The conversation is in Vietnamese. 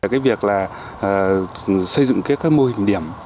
cái việc là xây dựng các mô hình điểm